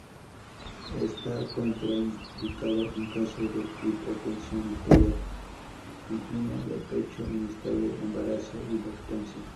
Esta contraindicado en caso de hipotensión arterial, angina de pecho inestable, embarazo y lactancia.